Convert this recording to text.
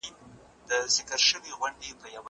زه به سبا لوبه وکړم؟